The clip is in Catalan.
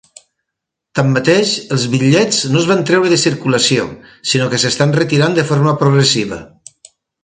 Tanmateix, els bitllets no es van treure de circulació, sinó que s'estan retirant de forma progressiva.